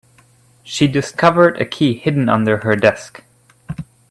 She discovered a key hidden under her desk.